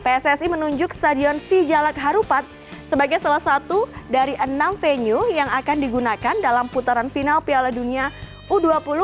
pssi menunjuk stadion sijalak harupat sebagai salah satu dari enam venue yang akan digunakan dalam putaran final piala dunia u dua puluh